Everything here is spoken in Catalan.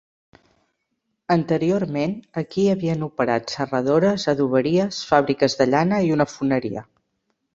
Anteriorment, aquí havien operat serradores, adoberies, fàbriques de llana i una foneria.